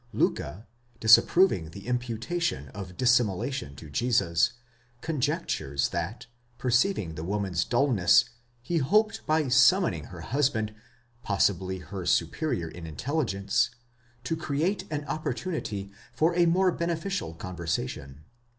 ® Liicke, disapproving the imputation of dissimulation to Jesus, conjectures that, perceiving the woman's dulness, he hoped by summoning her husband, possibly her superior in in telligence, to create an opportunity for a more beneficial conversation.